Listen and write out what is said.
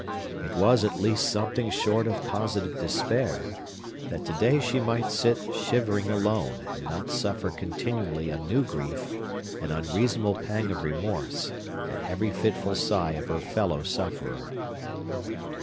It was at least something short of positive despair, that to day she might sit shivering alone, and not suffer continually a new grief, and unreasonable pang of remorse, at every fitful sigh of her fellow sufferer.